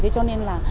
cho nên là